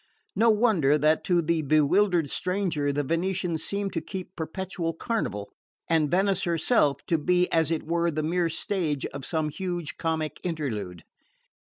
No wonder that to the bewildered stranger the Venetians seemed to keep perpetual carnival and Venice herself to be as it were the mere stage of some huge comic interlude.